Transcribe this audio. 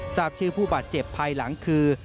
ทราบชื่อผู้บาดเจ็บภายหลังคือ